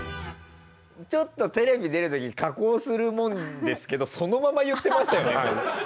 ちょっとテレビ出るとき加工するもんですけどそのまま言ってましたよね。